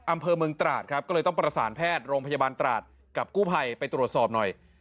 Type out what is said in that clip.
อำเภอเมืองตราดครับก็เลยต้องประสานแพทย์โรงพยาบาลตราดกับกู้ภัยไปตรวจสอบหน่อย